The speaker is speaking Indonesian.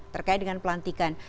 terkait dengan pelantikan